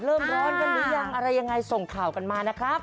ภิกาตเริ่มร้อนกันหรือยังอะไรส่งข่าวกันมานะครับ